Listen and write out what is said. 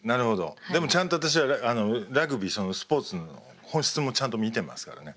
でもちゃんと私はラグビーそのスポーツの本質もちゃんと見てますからね。